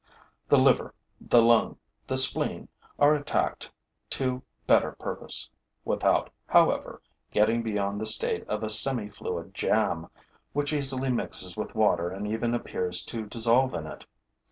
The liver, the lung, the spleen are attacked to better purpose, without, however, getting beyond the state of a semi fluid jam, which easily mixes with water and even appears to dissolve in it.